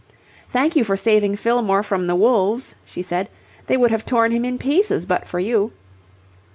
"Thank you for saving Fillmore from the wolves," she said. "They would have torn him in pieces but for you."